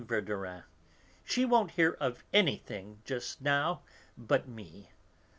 Verdurin, she won't hear of anything just now but me.